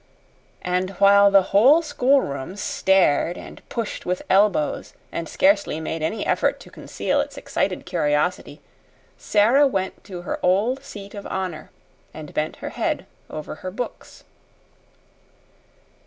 And while the whole schoolroom stared and pushed with elbows, and scarcely made any effort to conceal its excited curiosity, Sara went to her old seat of honor, and bent her head over her books.